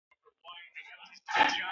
په دغسې ملي او بشري ناورینونو کې.